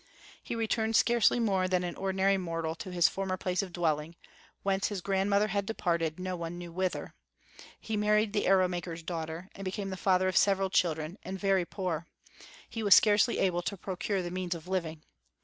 He returned scarcely more than an ordinary mortal to his former place of dwelling, whence his grandmother had departed no one knew whither. He married the arrow maker's daughter, and became the father of several children, and very poor. He was scarcely able to procure the means of living.